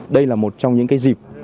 đây là một trong những cái dịp